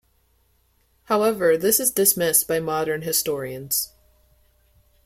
However, this is dismissed by modern historians.